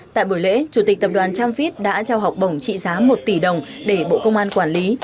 tại buổi lễ chủ tịch tập đoàn tramfit đã trao học bổng trị giá một tỷ đồng để bộ công an quản lý